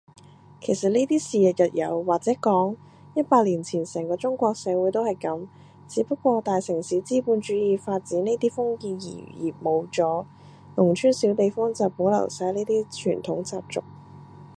其實呢啲事日日有，或者講，一百年前成個中國社會都係噉，只不過大城市資本主義發展呢啲封建餘孽冇咗，農村小地方就保留晒呢啲傳統習俗